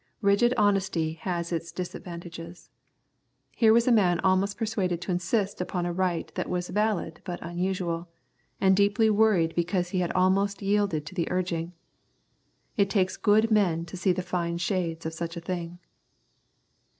Rigid honesty has its disadvantages. Here was a man almost persuaded to insist upon a right that was valid but unusual, and deeply worried because he had almost yielded to the urging. It takes good men to see the fine shades of such a thing.